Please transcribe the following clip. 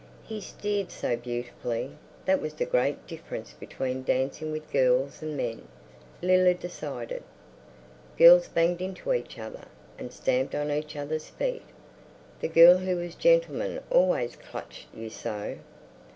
He steered so beautifully. That was the great difference between dancing with girls and men, Leila decided. Girls banged into each other, and stamped on each other's feet; the girl who was gentleman always clutched you so.